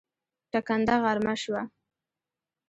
ټکنده غرمه شومه